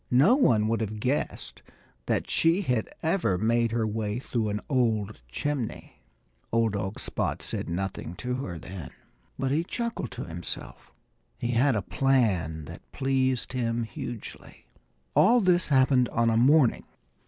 No one would have guessed that she had ever made her way through an old chimney. Old dog Spot said nothing to her then. But he chuckled to himself. He had a plan that pleased him hugely. All this happened on a morning.